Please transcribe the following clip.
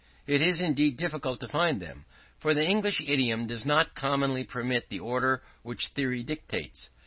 It is indeed difficult to find them; for the English idiom does not commonly permit the order which theory dictates.